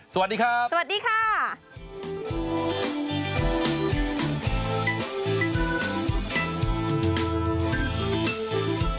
สวัสดีครับสวัสดีค่ะ